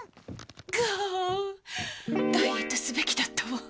ダイエットすべきだったわ。